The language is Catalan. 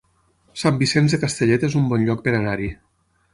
Sant Vicenç de Castellet es un bon lloc per anar-hi